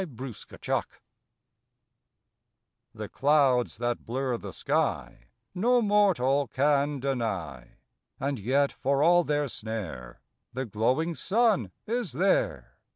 December Third ALLIES clouds that blur the sky No mortal can deny, And yet, for all their snare, The glowing sun is there.